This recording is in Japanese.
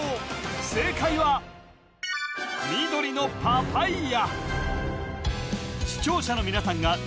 正解は緑のパパイヤ